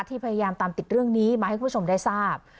พยายามตามติดเรื่องนี้มาให้คุณผู้ชมได้ทราบ